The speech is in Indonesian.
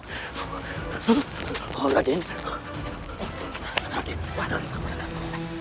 raden raden mana orang keponakan kau